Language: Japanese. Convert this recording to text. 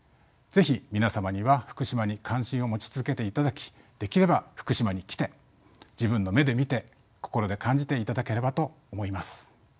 是非皆様には福島に関心を持ち続けていただきできれば福島に来て自分の目で見て心で感じていただければと思います。